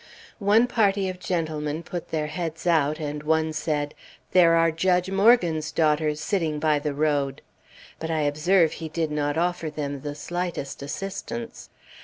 One party of gentlemen put their heads out and one said, "There are Judge Morgan's daughters sitting by the road!" but I observed he did not offer them the slightest assistance.